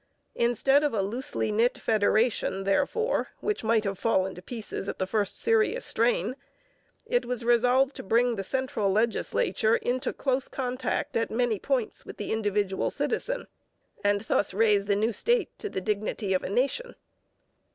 Instead of a loosely knit federation, therefore, which might have fallen to pieces at the first serious strain, it was resolved to bring the central legislature into close contact at many points with the individual citizen, and thus raise the new state to the dignity of a nation.